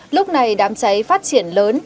lúc này đám cháy phát triển lớn